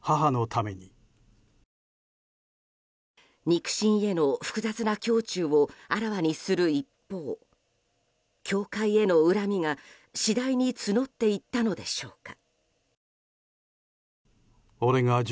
肉親への複雑な胸中をあらわにする一方教会への恨みが、次第に募っていったのでしょうか。